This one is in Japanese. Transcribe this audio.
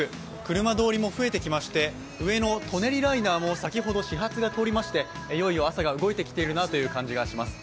車も増えてまいりまして、上の舎人ライナーも先ほど始発が通りまして、いよいよ朝が動いてきているなという感じがします。